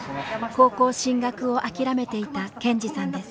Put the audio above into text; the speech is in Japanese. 高校進学を諦めていたケンジさんです。